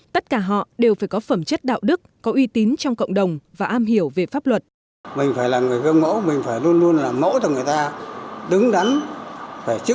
tất cả họ đều phải có phẩm chất đạo đức có uy tín trong cộng đồng và am hiểu về pháp luật